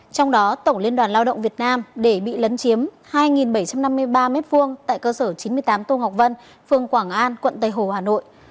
trong đó tổng liên đoàn lao động việt nam để bị lấn chiếm hai bảy trăm năm mươi ba m hai tại cơ sở chín mươi tám tô ngọc vân phường quảng an quận tây hồ hà nội